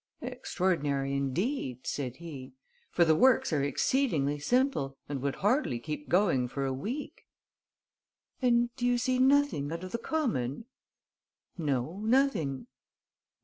"Extraordinary indeed," said he, "for the works are exceedingly simple and would hardly keep going for a week." "And do you see nothing out of the common?" "No, nothing